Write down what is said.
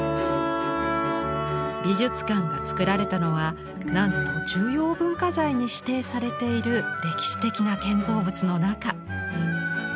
美術館が造られたのはなんと重要文化財に指定されている歴史的な建造物の中。